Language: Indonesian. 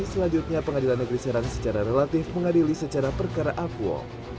selanjutnya pengadilan negeri serang secara relatif mengadili secara perkara akuo